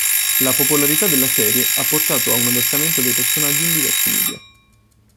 La popolarità della serie ha portato a un adattamento dei personaggi in diversi media.